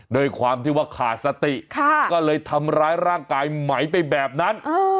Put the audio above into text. ด้วยความที่ว่าขาดสติก็เลยทำร้ายร่างกายไหมไปแบบนั้น